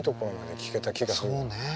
そうね。